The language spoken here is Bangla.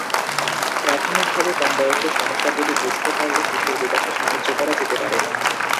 প্রাথমিক ভাবে কম বয়সে সমস্যাগুলি বুঝতে পারলে শিশুর বিকাশে সাহায্য করা যেতে পারে।